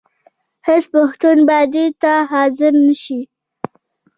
هېڅ پښتون به دې ته حاضر نه شي.